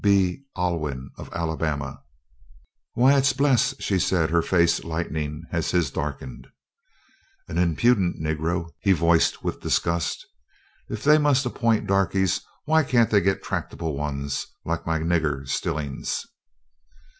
B. Alwyn of Alabama." "Why, it's Bles!" she said, her face lighting as his darkened. "An impudent Negro," he voiced his disgust. "If they must appoint darkies why can't they get tractable ones like my nigger Stillings."